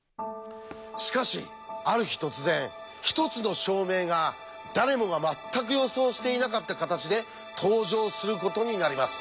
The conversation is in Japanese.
しかしある日突然一つの証明が誰もが全く予想していなかった形で登場することになります。